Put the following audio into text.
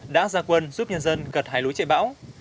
đã ra quân giúp nhân dân gật hái lúa chạy bão